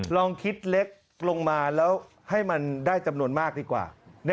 ลองคิดเล็กลงมาแล้วให้มันได้จำนวนมากดีกว่า